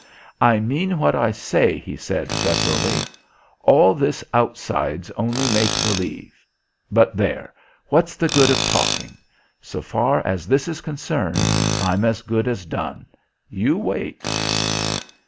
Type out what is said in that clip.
"I mean what I say," he said gutturally. "All this outside's only make believe but there! what's the good of talking? So far as this is concerned I'm as good as done. You wait."